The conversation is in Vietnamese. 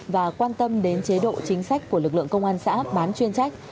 và quan tâm đến chế độ chính sách của lực lượng công an xã bán chuyên trách